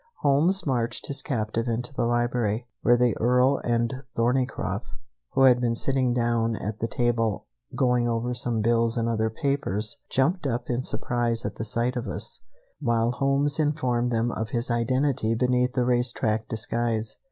Holmes marched his captive into the library, where the Earl and Thorneycroft, who had been sitting down at the table going over some bills and other papers, jumped up in surprise at the sight of us; while Holmes informed them of his identity beneath the race track disguise.